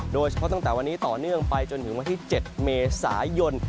ตั้งแต่วันนี้ต่อเนื่องไปจนถึงวันที่๗เมษายน